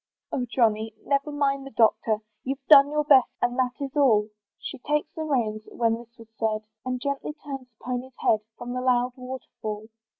"Oh! Johnny, never mind the Doctor; "You've done your best, and that is all." She took the reins, when this was said, And gently turned the pony's head From the loud water fall.